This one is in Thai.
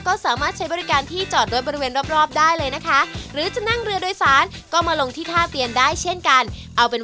ก็สามารถที่จะแวะมาทานได้นะครับผม